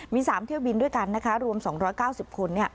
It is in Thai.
มี๓เที่ยวบินด้วยกันนะคะรวม๒๙๐คน